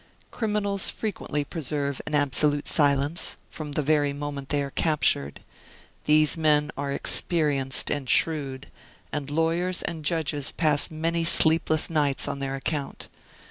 Criminals frequently preserve an absolute silence, from the very moment they are captured. These men are experienced and shrewd, and lawyers and judges pass many sleepless nights on their account.